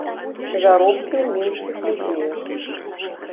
Заробкі ў мінскіх музеях.